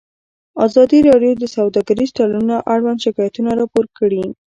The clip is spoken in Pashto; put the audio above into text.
ازادي راډیو د سوداګریز تړونونه اړوند شکایتونه راپور کړي.